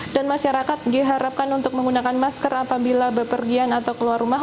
dan masyarakat diharapkan untuk menggunakan masker apabila berpergian atau keluar rumah